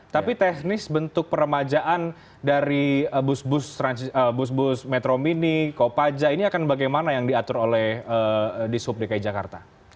tapi teknis bentuk permajaan dari bus bus metro mini kopaja ini akan bagaimana yang diatur oleh dishub dki jakarta